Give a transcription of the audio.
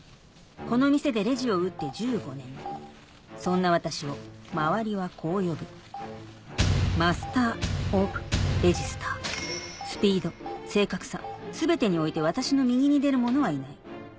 この店でレジを打って１５年そんな私を周りはこう呼ぶマスター・オブ・レジスタースピード正確さ全てにおいて私の右に出る者はいない